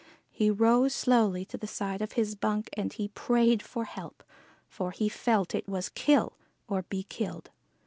He rose slowly to the side of his bunk and he prayed for help, for he felt it was kill or be killed.